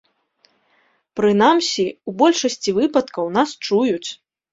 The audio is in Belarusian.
Прынамсі, у большасці выпадкаў нас чуюць!